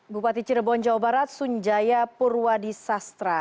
bupati cirebon jawa barat sunjaya purwadi sastra